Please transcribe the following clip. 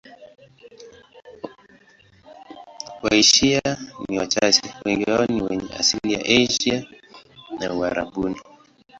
Washia ni wachache, wengi wao ni wenye asili ya Asia au Uarabuni.